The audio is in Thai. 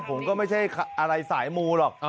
ผมก็ไม่ใช่อะไรสายมูหรอก